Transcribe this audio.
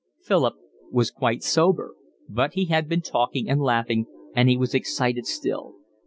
Philip was quite sober, but he had been talking and laughing, and he was excited still.